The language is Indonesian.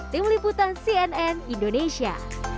tim liputan cnn indonesia